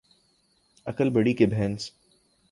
عقل بڑی کہ بھینس